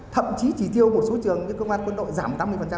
thậm chí chỉ thiêu một số trường nhưng công an quân đội giảm tám mươi